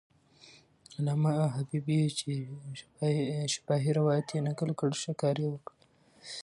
علامه حبیبي چې شفاهي روایت یې نقل کړ، ښه کار یې وکړ.